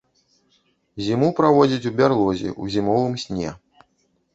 Зіму праводзіць у бярлозе ў зімовым сне.